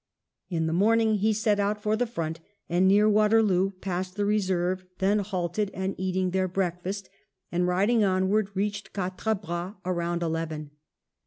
In the morning he set out for the front, and near Waterloo passed the reserve, then halted and eating LIGNY AND QUATRE BRAS their breakfast, and riding onward reached Quatre Bras about eleven.